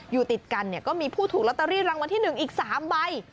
อยู่ติดกันก็มีผู้ถูกลอตเตอรี่รางวัลที่๑อีก๓ใบ